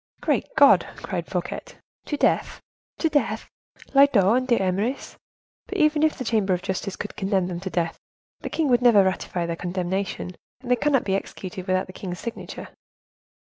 "Great God!" cried Fouquet, "to death, to death! Lyodot and D'Eymeris. But even if the Chamber of Justice should condemn them to death, the king will never ratify their condemnation, and they cannot be executed without the king's signature."